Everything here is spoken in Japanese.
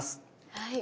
はい。